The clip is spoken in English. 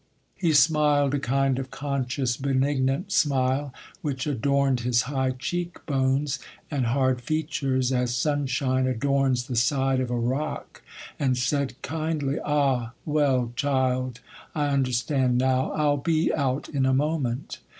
He smiled a kind of conscious, benignant smile, which adorned his high cheek bones and hard features as sunshine adorns the side of a rock, and said, kindly, 'Ah, well, child, I understand now; I'll be out in a moment.